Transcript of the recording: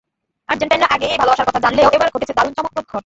আর্জেন্টাইনরা আগেই এই ভালোবাসার কথা জানলেও এবার ঘটেছে দারুণ চমকপ্রদ ঘটনা।